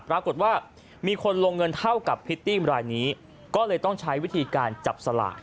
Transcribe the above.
ปรากฏว่ามีคนลงเงินเท่ากับพริตตี้มรายนี้ก็เลยต้องใช้วิธีการจับสลาก